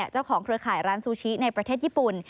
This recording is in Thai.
เครือข่ายร้านซูชิในประเทศญี่ปุ่น